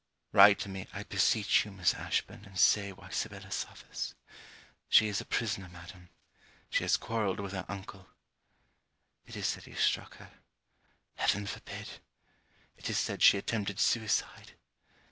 Write to me, I beseech you, Miss Ashburn, and say why Sibella suffers. She is a prisoner, madam. She has quarrelled with her uncle. It is said he struck her. Heaven forbid! It is said she attempted suicide!